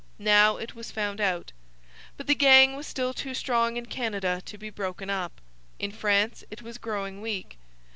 Now it was found out. But the gang was still too strong in Canada to be broken up. In France it was growing weak.